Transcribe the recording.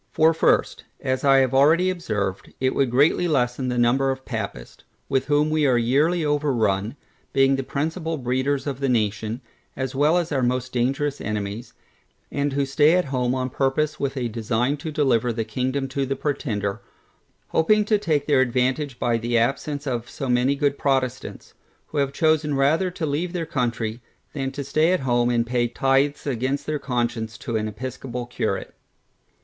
For first, as I have already observed, it would greatly lessen the number of Papists, with whom we are yearly overrun, being the principal breeders of the nation, as well as our most dangerous enemies, and who stay at home on purpose with a design to deliver the kingdom to the Pretender, hoping to take their advantage by the absence of so many good Protestants, who have chosen rather to leave their country, than stay at home and pay tithes against their conscience to an episcopal curate.